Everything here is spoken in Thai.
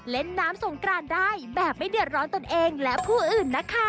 เล่นน้ำสงกรานได้แบบไม่เดือดร้อนตนเองและผู้อื่นนะคะ